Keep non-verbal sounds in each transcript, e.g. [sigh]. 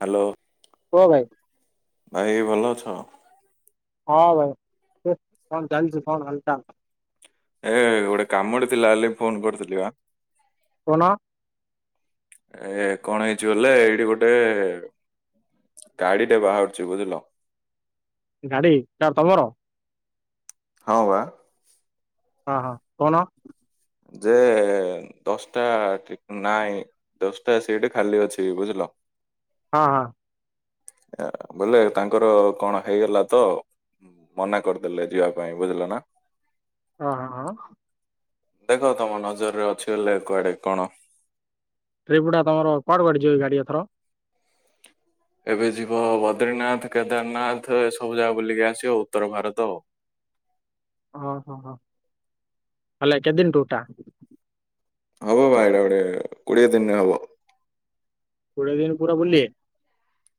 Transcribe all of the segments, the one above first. Hello କୁହ ଭାଇ ଭାଇ ଭଲ ଅଛ? ହଁ। ହଁ ଭାଇ [unintelligible] ଚାଳିଛି କନ ହଲଚାଲ? ଏ ଗୋଟେ କାମୁଡି ଥିଲା ହେଲେ ଫୋନ କରୁଥିଲି ବା କଣ? ଏ କଣ ହେଇଛି ଗଲେ ଏଇଠି ଗୋଟେ ଗାଡିଟେ ବାହାରୁଛି ବୁଝିଲ ଗାଡି କାର ତମର? ହଁ ବା। ହଁ ହଁ କଣ? ଯେ ଦଶଟା ନାଇଁ ଦଶଟା ସେଠି ଖାଲି ଅଛି ବୁଝିଲ। ହଁ ହଁ। ବୁଲେ ତାଙ୍କର କଣ ହେଇଗଲା ତ ମନା କରିଦେଲେ ଯିବା ପାଇଁ ବୁଝିଲେ ନା। ହଁ ହ ହ। ଦେଖ ତମ ନଜରରେ ଅଛି ବଲେ କୁଆଡେ କଣ ତ୍ରିପୁଟା ତମର କୁଆଡେ କୁଆଡେ ଯିବ ଗାଡି ଏଥର? ଏବେ ଯିବ ବଦ୍ରିନାଥ କେଦାରନାଥ ଏସବୁ ଜାଗା ବୁଲିକି ଆସିବ ଉତ୍ତର ଭାରତ ଆଉ। ଓ ହୋ ହେଲେ କେଦିନ ଟୁରଟା? ହୋ ଭାଇ ଡ଼ା ଗୋଟେ କୋଡିଏ ଦିନ ରେ ହବ। ପୁରା ଦିନ ପୁରା ବୁଲିବେ?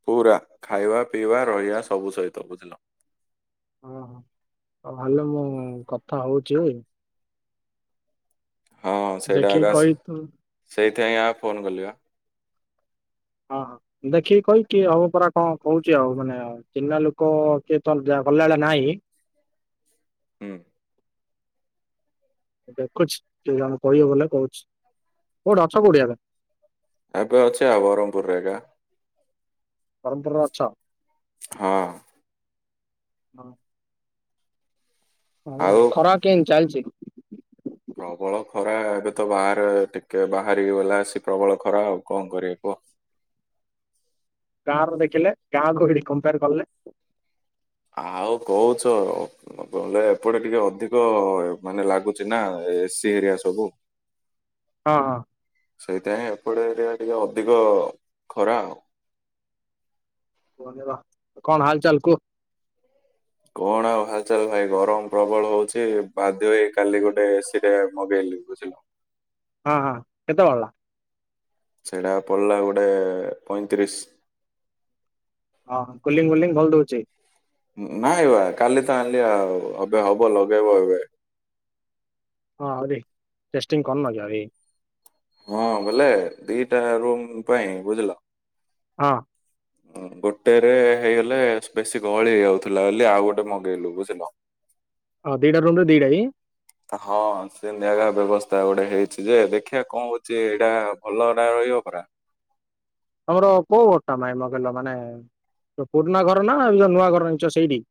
ପୁରା ଖାଇବା ପିଇବା ରହିବା ସବୁ ସହିତ ବୁଝିଲ। ଓ ହୋ ଭଲ ମୁଁ କଥା ହଉଛି। ହଁ ସେଇଟା ଦେଖିକି ଏକା କହି ଆଉ ସେଇଥିପାଇଁ ଆ ଫୋନ କଲି ବା। ହଁ ଦେଖିକି କହିକି ହଉ ପରା କଣ କହୁଛି ଆଉ ମାନେ ଚିହ୍ନା ଲୋକ କିଏ ତ ଗଲାବେଳେ ନାହିଁ। ହୁଁ। ଦେଖୁଛି କଣ କହିବ ବଲେ କହୁଛି କୋଉଠି ଅଛ କୋଉଠି ଏବେ? ଏବେ ଅଛି ଆଉ ବାରହମ୍ ପୂର୍ ରେ ଏକା। ବ୍ରହମପୁରରେ ଅଛ? ହଁ। ହଁ। ହଉ ଆଉ ଖରା କେନ୍ ଚାଲିଚି? ପ୍ରବଳ ଖରା ଏବେ ତ ବାହାରେ ଟିକେ ବାହାରି ଗଲା ଆସିକି ପ୍ରବଳ ଖରା ଆଉ କଣ କରିବି କୁହ? କା ର ଦେଖିଲେ କାହାକୁ ଏଠି କମ୍ପୟାର କଲେ? ଆଉ କହୁଛ ବଲେ ଏପଟେ ଟିକେ ଅଧିକ ମାନେ ଲାଗୁଛି ନା ଏ ସି ଏରିଆ ସବୁ। ହଁ ହଁ। ସେଇଥିପାଇଁ ଏପଟେ ଏରିଆ ଟିକେ ଅଧିକ ଖରା ଆଉ। କଣ ହାଲ୍ ଚାଲ୍ କୁହ? କଣ ଆଉ ହାଲ ଚାଲ ଭାଇ ଗରମ ପ୍ରବଳ ହଉଛି ବାଧ୍ୟ ହେଇ କାଲି ଗୋଟେ ଏ ସିି ଟେ ମଗେଇଲି ବୁଝିଲ। ହଁ ହଁ କେତେ ପଡ଼ିଲା? ସେଇଟା ପଡିଲା ଗୋଟେ ପଇଁତିରିଶ ଓଁ କୁଲିଙ୍ଗ ଫୁଲିଙ୍ଗ ଭଲ ଦଉଛି। ନାଇଁ ବା କାଲି ତ ଆଣିଲି ଆଉ ଏବେ ହବ ଲଗେଇବ ଏବେ। ହଁରେ ଟେଷ୍ଟିଂ କରିନ। [unintelligible] ହଁ ବୋଲେ ଦିଟା ରୁମ୍ ପାଇଁ ବୁଝିଲ। ହଁ। ଗୋଟେରେ ହେଇଗଲେ ବେଶୀ ଗହଳି ହେଇଯାଉଥିଲା ବୋଲି ଆଉ ଗୋଟେ ମଗେଇଲୁ ବୁଝିଲ। ହଁ ଦିଟା ରୁମ ରେ ଦିଟା ହିଁ। ହଁ ସେ ନିଆ ବ୍ୟବସ୍ଥା ଗୋଟେ ହେଇଛି ଯେ ଦେଖିବା କଣ ହଉଛି ଏଇଟା ଭଲ ଟା ରହିବ ପରା। ତମର କୋଉ ବଟଟା ମାଇ ମଗେଇିଲ ମାନେ ଯୋଉ ପୁରୁଣା ଘର ନା ଏ ଯୋଉ ନୂଆ ଘର ଆଣିଛ ସେଇଠି।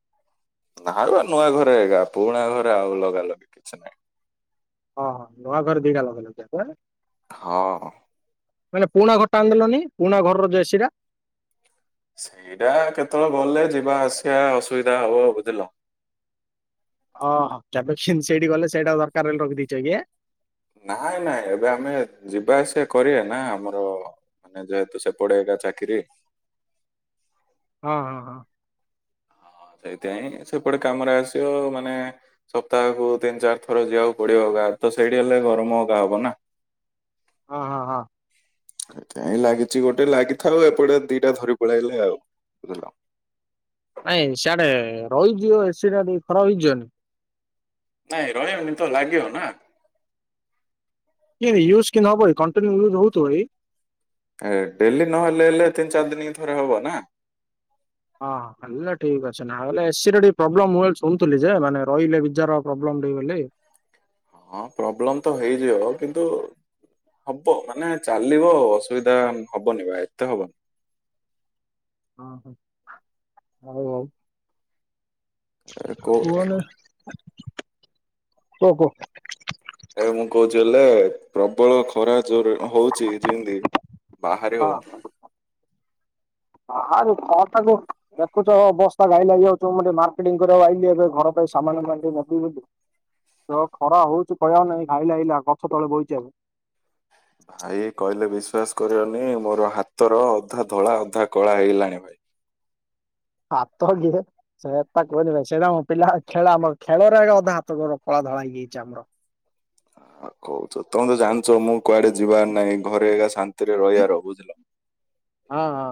ନାଳୁଆ ନୂଆ ଘରେ ଏକଗା ପୁରୁଣା ଘରେ ଆଉ ଲଗାଲଗି କିଛି ନାହିଁ। ହଁ ହଁ ନୂଆ ଘରେ ଦି ଟା ଲଗେଇଲ। [unintelligible] ହଁ। ମାନେ ପୁଣା ଘର ଟା ଆଣିଦେଲନି ପୁରୁଣା ଘରର ଯୋଉ ଏସି ଟା। ସେଇଟା କେତେବେଳେ ଗଲେ ଯିବା ଆସିବା ଅସୁବିଧା ହବ ବୁଝିଲ। ଓହ କେବେ ସେଇଠି ଗଲେ ସେଇଟା ଦରକାର ରଖିଦେଇଛ ଆଜ୍ଞା। ନାଇଁ ନାଇଁ ଏବେ ଆମେ ଯିବାଆସିବା କରିବା ନା ଆମର ମାନେ ଯେହେତୁ ସେପଟ ଏରିଆ ଚାକିରି। ହଁ ହଁ ହଁ। ହଁ ସେଇଥିପାଇଁ ସେପଟେ କାମରେ ଆସିବ ମାନେ ସପ୍ତାହକୁ ତିନି ଚାରି ଥର ଯିବାକୁ ପଡିବ ଗା ତ ସେଇଠି ହେଲେ ଗରମ ଅଗା ହବ ନା। ହଁ ହଁ ହଁ। ସେଥିପାଇଁ ଲାଗିଛି ଗୋଟେ ଲାଗିଥାଉ ଏପଟେ ଦିଟା ଧରି ପଳେଆଇଲେ ଆଉ ବୁଝିଲ। ନାଇଁ ସିଆଡେ ରହିଯିବ ଏସିଟା ଟିକେ ଖରାପ ହେଇଯିବନି। ନାଇଁ ରମିବ ନି ତ ଲାଗିିବ ନା। [unintelligible] ଏ ଡେଲି ନହେଲେ ହେଲେ ତିନି ଚାରି ଦିନି କେ ଥରେ ହବ ନା। ହଁ ହେଲା ଠିକ ଅଛି। [unintelligible] ଲେ ଏସିିରେ ଟିକେ ପ୍ରୋବ୍ଲେ ମୁଁ ଶୁଣୁଥିଲି ଯେ ମାନେ ରହିଲେ ବିଜାର ପ୍ରୋବ୍ଲେମ ଟିକେ ବୋଲି। ହଁ ପ୍ରୋବ୍ଲେମ ତ ହେଇଯିବ କିନ୍ତୁ ହବ ମାନେ ଚାଲିବ ଅସୁବିଧା ହବନି ବା ଏତେ ହବନି। ହ ହ ହଉ ହଉ। ଆରେ କୋ ଚ ଓହୋ। ଏ ମୁଁ କହୁଛି ହେଲେ ପ୍ରବଳ ଖରା। ଜୋରେ ହଉଛି ଯେମିତି ବାହାରେ ହଁ ହଉନି। ବାହାରେ ଖରା ଟାକୁ ଦେଖୁଛ ଅବସ୍ଥା ଘାଇଲା ହେଇଯାଉଛ ମୁଁ ଟିକେ ମାର୍କେଟିଙ୍ଗ କରିବାକୁ ଆଇଲି ଏବେ ଘର ପାଇଁ ସାମାନ ଟିକେ [unintelligible] ଯୋଉ ଖରା ହଉଛି କହିବାକୁ ନାଇଁ ଆଇଲା ଆଇଲା ଗଛ ତଳେ ବଇଛି ଆଉ। ଭାଇ କହିଲେ ବିଶ୍ୱାସ କରିବନି ମୋର ହାତର ଅଧା ଧଳା ଅଧା କଳା ହେଇଗଲାଣି ଭାଇ। ହାତ କିଏ ସେଟା କହନି ଭାଇ ସେଇଟା ପିଲା ଖେଳ ଆମ ଖେଳରେ ଆ ଅଧେ ହାତ ଗୋର କଳା ଧଳା ହେଇଯାଇଛି ଆମର। କହୁଛ ତମେ ତ ଜାଣିଛ ମୁଁ କୁଆଡେ ଯିବାର ନାହିଁ ଘରେ ଏକା ଶା ନ୍ତିରେ ରହିବାର ବୁଝିଲ, ହଁ ହଁ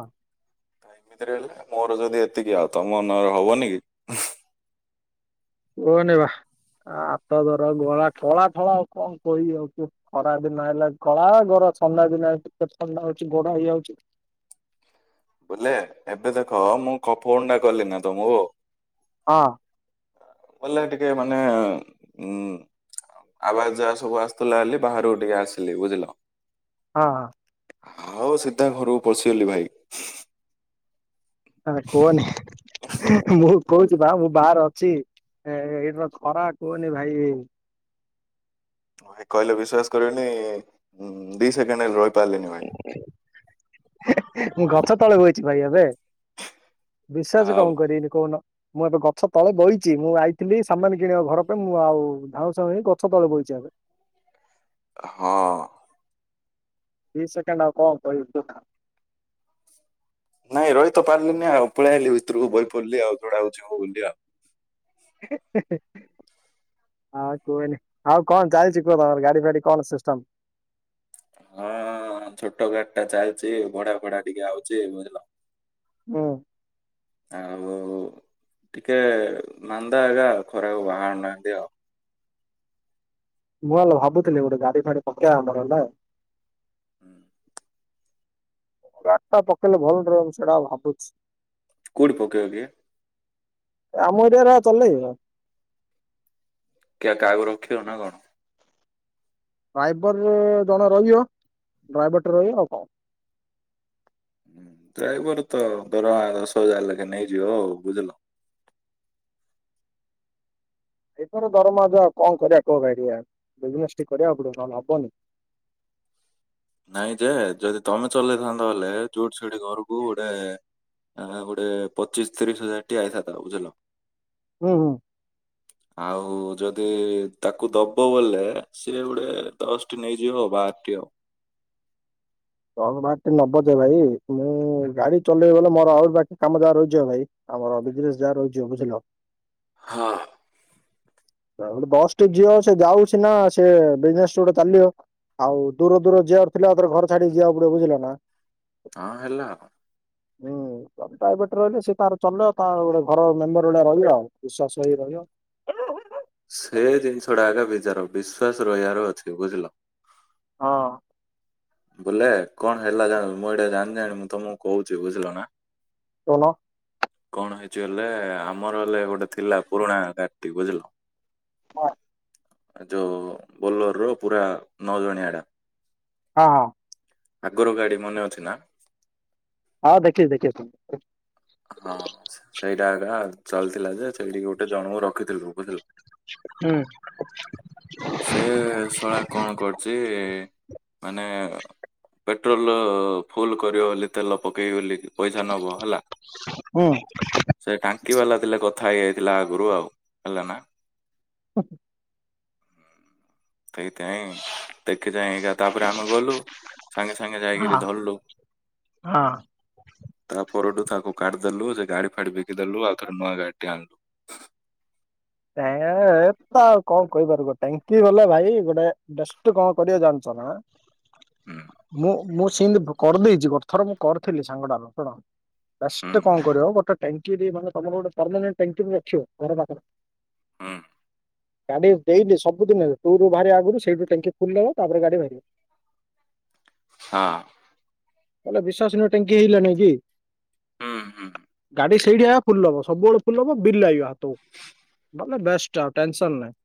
ଏମିତିରେ ହେଲେ ମୋର ଯଦି ଏତିକି ଆଉ ତମମାନଙ୍କର ହବନି କି କୁହନି ବା ହାତ ଧର ଗଳା କଳା ଧଳା ଆଉ କଣ କହିବି ଆଉ କୁହ, ଖରା ଦିନ ହେଲା କଳା ଗଡ ଥଣ୍ଡା ଦିନ କେତେ ଥଣ୍ଡା ହଉଛି ଗୋରା ହେଇଯାଉଛି, ବୁଲେ ଏବେ ଦେଖ ମୁଁ କ ଫୋନ ଟା କଲି ନା ତମକୁ ହଁ ଗଲେ ଟିକେ ମାନେ ଉ ଆବାଜ ଯା ସବୁ ଆସୁଥିଲା ହେ ବାହକୁ ଟିକେ ଆସିଲି ବୁଝିଲ, ହଁ ହ ହଉ ସିଧା ଘରକୁ ପଶିଗଲି ଭାଇ କୁହନି ମୁଁ କହୁଛି ବା ମୁଁ ବାହାରେ ଅଛି ଏଇଟର ଖରା କୁହନି ଭାଇ କହିଲେ ବିଶ୍ଵାସ କରିବନି ଦି ସେକେଣ୍ଡ ର ପାରିଲିନି ଭାଇ, ମୁଁ ଗଛ ତଳେ ବଇଛି ଭାଇ ଏବେ, ବିଶ୍ଵାସ ଆଉ କଣ କରିବିନି କହୁନ, ମୁଁ ଏବେ ଗଛ ତଳେ ବଇଛି ମୁଁ ଆଇଥିଲି ସାମାନ କିଣିବା ଘର ପାଇଁ ମୁଁ ଆଉ ଧାଉଁ ସାଉ ହୋଇ ଗଛ ତଳେ ବଇଛି ଏବେ ହଁ। ଦି ସେକେଣ୍ଡ ହବ କହିବି କଥା ନାଇଁ ରହିତ ପାରିଲିନି ଆଉ ପଳେଆଇଲିି ଭିତରୁକୁ ବହି ପଡିଲି ଆଉ ଯୋଡା ହଉଛି ହଉ ବୋଲି ଆଉ ଆଉ କୁହନି ଆଉ କଣ ଚାଲିଛି କୁହ ତମର ଗାଡି ଫାଡି କଣ ସିଷ୍ଟମ ହଁ ଛୋଟ ଗାଡି ଟା ଚାଲିଚ ଭଡା ଭଡା ଟିକେ ଆଉଛି ବୁଝିଲ, ହଁ ଆଉ ଟିକେ ମାନ୍ଦା ଆଗା ଖରାକୁ ବାହାରାରୁ ନାହାନ୍ତି ଆଉ, ମୁଁ ହେଲା ଭାବୁଥିଲି ଗୋଟେ ଗାଡି ଫାଡି ପକେଇବା ଆମର ହେଲା ହୁଁ। ଗାଡି ଟା ପକେଇଲେ ଭଲ ରହିବ ସେଟା ଭାବୁଛି କୋଉଟି ପକେଇବକି ଆମ ଏରିଆରେ ଆ ଚାଲେଇବ କିଆ କାହାକୁ ରଖିବ ନା କଣ? ଡ୍ରାଇଭର ଜଣେ ଜଣ ରହିବ ଡ୍ରାଇଭର ଟେ ରହିବ ଆଉ କଣ ଡ୍ରାଇଭର ତ ଧର ଦଶ ହଜାର ଲେଖେ ନେଇଯିବ ହଉ ବୁଝିଲ, ଏଇଥର ଦରମା ଯ ଆଉ କଣ କରିବା କହ ଏ ବିଜନେସ କରିବାକୁ ପଡ଼ିବ ନେଲେ ହବନି, ନାଇଁ ଯେ ଯଦି ତମେ ଚଲେଇଥାନ୍ତା ହେଲେ ଯୋଉଠି ସେଠି ଘରକୁ ଗୋଟେ ଗୋଟେ ପଚିଶ ତିରିଶ ହଜାର ଟିଏ ଆଇଥାନ୍ତା ବୁଝିଲ, ହୁଁ ହୁଁ। ଆଉ ଯଦି ତାକୁ ଦବ ବୋଲେ ସିଏ ଗୋଟେ ଦଶଟି ନେଇଯିବ ଆଉ ବାରଟି ଆଉ, ଦଶ ବାର ଟେ ନବ ଜେ ଭାଇ ମୁ ଗାଡି ଚଲେଇବି ବଲେ ମୋର ଆହୁରି ବାକି କାମ ଯା ରହିଛିିବ ଭାଇ ଆମର ବିଜନେସ ଯାହା ରହିଯିବ ବୁଝିଲ, ହଁ ବସ୍ ଟେ ଯିବ ସେ ଯାଉଛି ନା ସେ ବିଜନେସ ଗୋଟେ ଚାଲିବ ଆଉ ଦୂର ଦୂର ଯିବାର ଥିଲାର ଘର ଛାଡିକି ଯିବାକୁ ପଡିବ ବୁଝିଲ ନା, ହଁ ହେଲା ହୁଁ ପ୍ରାଇବେଟ ରହିଲେ ସେ ତାର ଚଲେଇବ ତା ଗୋଟେ ଘର ମେମ୍ବର ଭଳିଆ ରହିବ ଆଉ ବିଶ୍ଵାସ ହେଇ ରହିବ, ସେ ଜିନିଷ ଟା ଆଗା ବିଚାର ବିଶ୍ଵାସ ରହିବାର ଅଛି ବୁଝିଲ ହଁ। ବୋଲେ କଣ ହେଲା ଜ ମୁଁ ଏଇଟା ଜାଣିିନାଣି ମୁଁ ତମକୁ କହୁଛି ବୁଝିଲ ନା, କଣ? କଣ ହେଇଛି ହେଲେ ଆମର ହେଲେ ଗୋଟେ ଥିଲା ପୁରୁଣା ଘାଟି ବୁଝିଲ। ହଁ ଯୋଉ ବୋଲର ର ପୁରା ନଅ ଜଣିଆ। ହଁ ହଁ। ଆଗରୁ ଗାଡି ମନେ ଅଛି ନା। ହଁ ଦେଖିଛି ଦେଖିଛି। ହଁ ସେଇଟା ଆ ଚାଲିଥିଲା ଯେ ସେଇଠିକି ଗୋଟେ ଜଣଙ୍କୁ ରଖିଥିଲୁ ବୁଝିଲୁ। ହୁଁ। ସେ ଶଳା କଣ କରୁଛି। ମାନେ ପେଟ୍ରୋଲ ଫୁଲ କରିବ ବୋଲି ତେଲ ପକେଇ ଗଲି। ପଇସା ନବ ହେଲା। ହୁଁ ସେ ଟାଙ୍କି ବାଲା ଥିଲେ କ କଥା ହେଇଯାଇଥିଲା ଆଗୁରୁ ଆଉ ହେଲା ନା। ହଁ ହଁ। ତେଇତେଇ। ଦେଖି ଯା ତାପରେ ଆମେ ଗଲୁ ସାଙ୍ଗେ ସାଙ୍ଗେ ଯାଇକିରି ହଁ ଧରିଲୁ ହଁ। ତାପରେ ପରଠୁ ତାକୁ କାଢିଦେଲୁ ସେ ଗାଡି ଫାଡି ବିକିଦଲୁ ଆଉ ଥରେ ନୂଆ ଗାଡିଟି ଆଣିଲୁ। ତ ଆଉ କଣ କହିପାର ଟାଙ୍କି ଗଲେ ଭାଇ ଗୋଟେଡଷ୍ଟ କଣ କରିବା ଜାଣିଛ ନା। ହୁଁ ମୁଁ ମୁଁ ସେମିତି କରିଦେଇଛି ଥର ମୁଁ କରିଥିଲି ସାଙ୍ଗଟାର ଶୁଣ। ହୁଁ ଫାଷ୍ଟେ କଣ କରିବ ଗୋଟେ। ଟାଙ୍କିରେ ମାନେ ତମର ଗୋଟେ ପରଣ୍ଟ ଟାଙ୍କି ରଖିବ ଘର ପାଖରେ। ହଁ ଗାଡି ଦେଇଲି ସବୁଦିନ ଟୁ ବାହାରିବା ଆଗରୁ ସେଇଠୁ ଟାଙ୍କି ଫୁଲ ଦେବ ତାପରେ ଗାଡି ବାହାରିବ। ହଁ ତାଲେ ବିଶ୍ଵାସ ନୁହ ଟାଙ୍କି ହେଇଲାଣି କି। ହୁଁ ହୁଁ ସେଇଠି ଫୁଲ ହବ ସବୁବେଳେ ଫୁଲ ହବ ବିଲ ଲାଗିବ ହାତକୁ। ମାନେ ବେଷ୍ଟ ଟେସନ ନାଇଁ।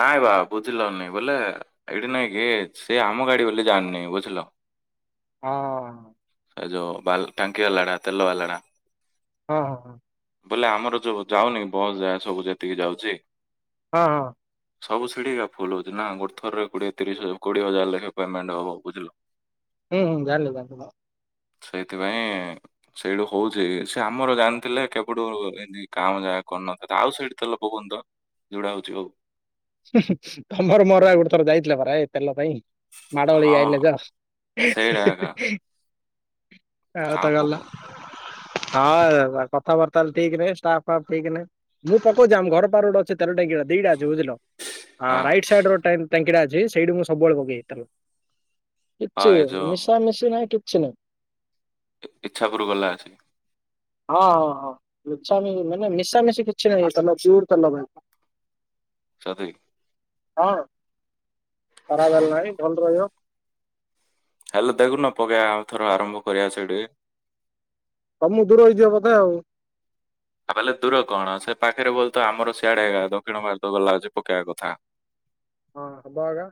ନାଇଁ ବା ବୁଝିଲନି ବୋଲେ ଏଇଠି ନାଇଁ କି ସେ ଆମ ଗାଡି ବୋଲି ଜାଣିନି ବୁଝିଲ। ହଁ ଏଯୋଉ ବା ଟାଙ୍କି ବାଲାଡ଼ା ତେଲ ବାଲାଡ଼ା। ହଁ ହଁ ହଁ ବୋଇଲେ ଆମର ଯଉ ଯାଉନି ବସ୍ ଯାଏ ସବୁ ଯେତିକି ଯାଉଛି। ହଁ ହଁ ସବୁ ସିଢିକା ଫୁଲ ହଉଛି ନା ଗୋର୍ ଥରରେ କୋଡିଏ ତିରିଶ କୋଡିଏ ହଜାର ଲେଖେ ପେମେଣ୍ଟ ହବ ବୁଝିଲୁ। ହୁଁ ହୁଁ ଜାଣିଲୁୁ। ସେଇଥିପାଇଁ ସେଇଠୁ ହଉଛି ସେ ଆମର ଜାଣିଥିଲେ କେ କଟୁ ଏମିତି କାମ ଯାହା କରିନଥିବ ଆଉ ସେଇଠି ତେଲ ପକଉନି ତ ଯୋଟା ହଉଛି ହଉ। ତମର ମୋର ଗୋଟେ ଥର ଯାଇଥିଲା ପରା ଏ ତେଲ ପାଇଁ। ମାଡଲେଇ ହଁ ଆସିଲେ ସେଇଟା ଏକା ଯା। ହ ଆଉ ତାଗଲା। ପକଉନି ହଁ କଥାବାର୍ତ୍ତା ହେଲେ ଠିକ ନଁ ଷ୍ଟାପ ଫାପ ଠିକ ନାହିଁ ମୁଁ ପକଉଛି ଆମ ଘର ପାଖରେ ଗୋଟେ ଅଛି ତେଲ ଟାଙ୍କିଟା ଦିଟା ଅଛି ବୁଝିଲ। ହଁ ରାଇଟ ସାଇଡ ରୋ ଟାଇନ୍। ତାଙ୍କିଟା ଅଛି ସେଇଠୁ ମୁଁ ସବୁବେଳେ ପକେଇ ହୋଇଥିଲ ଆଉ କିଛି ଏ ଯୋଉ ମିଶାମଶି ନାହିଁ କି କିଛି ନାଇଁ ଇ ଇଚ୍ଛା ପୁର ଗଲା ଅସିକି ହଁ ହଁ ହଁ ମିଛ ମି ମାନେ ମିଶାମିଶି କିଛି ନାହିଁ [unintelligible] ଭାଇ ସତେ କି? ହଁ। ଖରାପ ହେଲା ନାହିଁ ଭଲ ରହିବ। ହେଲେ ଦେଖୁନ ପକେଇବା ଆ ଥର ଆରମ୍ଭ କରିବା ସେଠି। ତ ତୁମକୁ ଦୂର ହେଇଯିବ ବୋଧେ ଆଉ। ଆ ବଲେ ଦୂର କଣ ସେ ପାଖରେ ବୋଲେ ତ ଆମର ସିଆଡେ ଦକ୍ଷିଣ ଭାରତ ଗଲା ହଉଛି ପକେଇବା କଥା। ହଁ ହବ ଆକା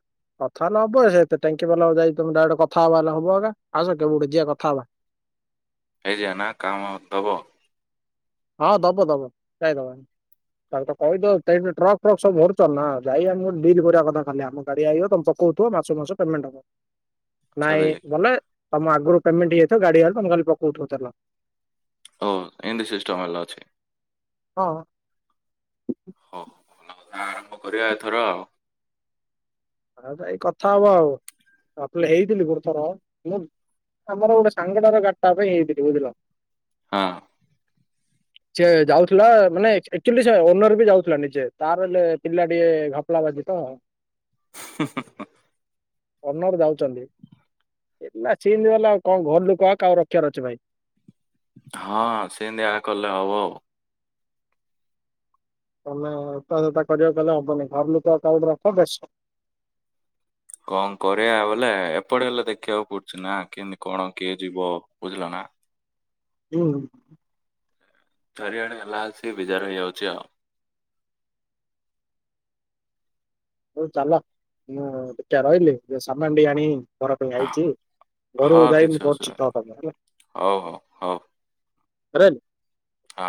କଥା ନହବ ସେତ ଟାଙ୍କି ବାଲାକୁ ଯାଇ ତମେ ଡାଇକ୍ଟ କଥା ହବା ହେଲେ ହବ ଆ ଆସ କେବଠେ ଯିବା କଥା ହବା। ହେଇ ଯିବା ନା କାମ ଦବ? ହଁ ଦବ ଦବ ଯାଇଦବ ତା କହିଦ ଟ୍ରକ୍ ଫ୍ରକ୍ ସବୁରୁଚ ନା ଯାଇମ ଡିଲ୍ କରିବା କଥା ଖାଲି ଆମ ଗାଡି ଆଇ ତମେ ପକଥିବ ମାସ ମାସ ପେମେଣ୍ଟ ହବ। ନାଇଁ ସରି ବନେ ତମ ଆଗରୁ ପେମେଣ୍ଟ ହେଇଯାଇଥିବ ଗାଡି ହେଲା ତମେ କାଲି ପକଉ ଥିବ ତେଲ। ଓ ଏମିତି ସିଷ୍ଟମ ହେଲେ ଅଛି। ହଁ। ହଉ ଭଲ ଆରମ୍ଭ କରିବା ଏଥର ଆଉ। ଆଉ ଜାଇ କଥା ହବା ଆଉ [unintelligible] ହେଇଥିଲି ଗୋଟେ ଥର ମୁଁ ଆମର ଗୋଟେ ସାଙ୍ଗଟାର ଗାଡିଟା ପାଇଁ ହେଇଥିଲି ବୁଝିଲ। ହଁ। ସେ ଯାଉଥିଲା ମାନେ ଅକ୍ଚୁଲି ଓନର ବି ଯାଉଥିଲାନିଜେ ତାର ହେଲେ ପିଲା ଟିକେ ଘପଲା ବାଜି ତ ଅନର ଯାଉଛନ୍ତି ହେଲା ସି ଗଲାଉ କଣ ଘର ଲୁ କହ କଉ ରଖିବାର ଅଛି ଭାଇ। ହଁ ସେମିତି କଲେ ହବ ଆଉ। ତମେ ଏତା ସତା କର କଲେ ହବନି ତକାଉଡ ରଖ କେଶ କଣ କରିବା ବଲେ ଏପଟେ ହେଲେ ଦେଖିବାକୁ ପଡୁଛି ନା କେମତି କଣ କିଏ ଯିବ ବୁଝିଲ ନା। ହୁଁ। ଚାରି ଆଡ଼େ ହେଲା ସେ ବିଚାର ଯାଉଛି ଆଉ। ହଉ ଚାଲ ମୁଁ ଏକା ରହିଲି ସାମାନ ଟେ ଆଣି ଘର ପାଇଁ ଆଇଛି ହଁ ଘରୁ ହଁ, ଯାଇ କିଛି ମୁଁ କରୁଛି ଅସୁବିଧା ନାହିଁ ତ ପାଇଁ ହେଲା। ହଉ ହଉ ହଉ [unintelligible] ହଁ।